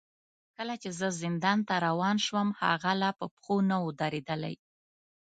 کله چې زه زندان ته روان شوم، هغه لا په پښو نه و درېدلی.